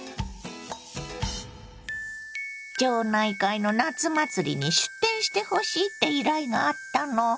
町内会の夏祭りに出店してほしいって依頼があったの。